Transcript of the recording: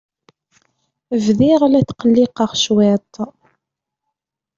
Bdiɣ la tqelliqeɣ cwiṭ.